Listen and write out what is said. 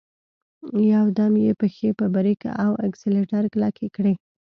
يودم يې پښې په بريک او اکسلېټر کلکې کړې.